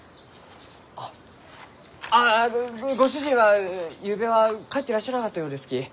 ああご主人はゆうべは帰ってらっしゃらなかったようですき。